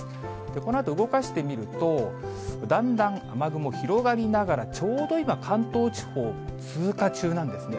このあと動かしてみると、だんだん雨雲広がりながら、ちょうど今、関東地方を通過中なんですね。